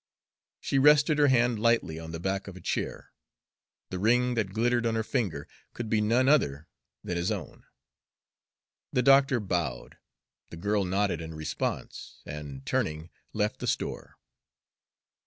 She rested her hand lightly on the back of a chair. The ring that glittered on her finger could be none other than his own. The doctor bowed. The girl nodded in response, and, turning, left the store.